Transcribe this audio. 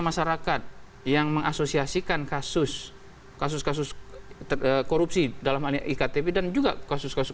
masyarakat yang mengasosiasikan kasus kasus kasus korupsi dalam hal ini iktp dan juga kasus kasus